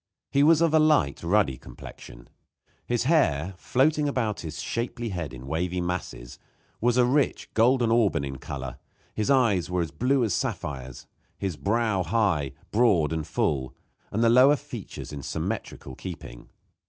He was of a light, ruddy complexion; his hair, floating about his shapely head in wavy masses, was a rich, golden auburn in color; his eyes were blue as sapphires; his brow high, broad and full, with the lower features in symmetrical keeping.